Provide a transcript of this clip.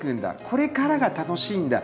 これからが楽しいんだ